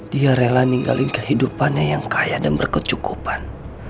dia rela ninggalin kehidupannya yang kaya dan berkecukupan